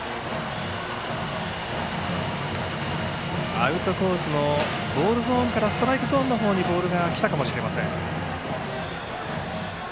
アウトコースのボールゾーンからストライクゾーンの方にボールが来たかもしれません。